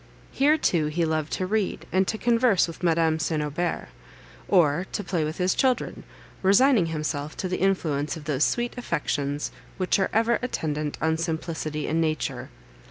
Here, too, he loved to read, and to converse with Madame St. Aubert; or to play with his children, resigning himself to the influence of those sweet affections, which are ever attendant on simplicity and nature.